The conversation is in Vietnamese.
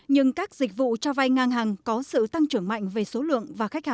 nhưng các dịch vụ cho vai ngang hàng có sự tăng trưởng mạnh về số lượng